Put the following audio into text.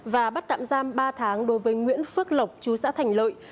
và bắt tạm giam ba tháng đối với nguyễn phước lộc chú xã thành lợi